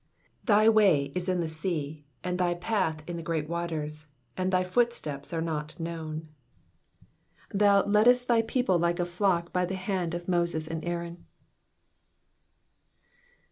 19 Thy way is in the sea, and thy path in the great waters^ and thy footsteps are not known, 20 Thou leddest thy people like a flock by the hand of Moses and Aaron.